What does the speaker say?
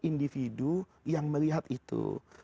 individu yang melihat itu